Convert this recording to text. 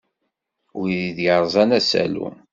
Wid yerẓan asalu.